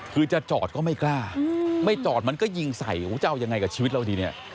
คือจะจอดก็ไม่กล้าไม่จอดมันก็ยิงใส่จะเอายังไงกับชีวิตเราดีเนี่ย